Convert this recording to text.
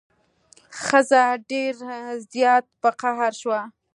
ښځه ډیر زیات په قهر شوه.